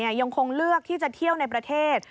ยังคงเลือกที่จะเที่ยวในประเทศ